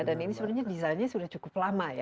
dan ini sebenarnya desainnya sudah cukup lama ya